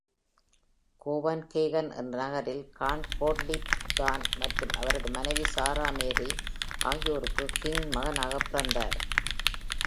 Copenhagen என்ற நகரில் corn கோட்லீப் கிஹ்ன் மற்றும் அவரது மனைவி சாரா மேரி ஆகியோருக்கு கிஹ்ன் மகனாக பிறந்தார்.